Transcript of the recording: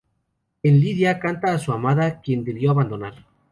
En "Lydia" canta a su amada, a quien debió abandonar.